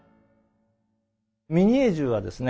ミニエー銃はですね